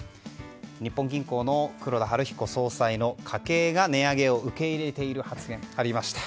日本銀行の黒田東彦総裁の家計が値上げを受け入れている発言がありました。